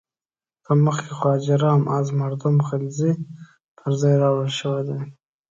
په مخ کې خواجه رام از مردم غلزی پر ځای راوړل شوی دی.